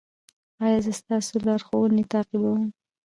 ایا زه ستاسو لارښوونې تعقیبوم؟